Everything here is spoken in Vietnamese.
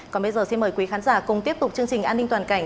còn bây giờ xin mời quý khán giả cùng tiếp tục chương trình an ninh toàn cảnh